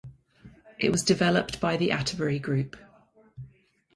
It was developed by the Atterbury Group.